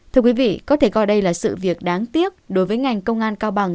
thưa quý vị có thể coi đây là sự việc đáng tiếc đối với ngành công an cao bằng